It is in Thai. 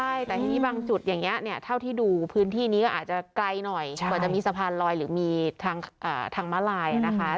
ใช่แต่ทีนี้บางจุดอย่างนี้เนี่ยเท่าที่ดูพื้นที่นี้ก็อาจจะไกลหน่อยกว่าจะมีสะพานลอยหรือมีทางม้าลายนะคะ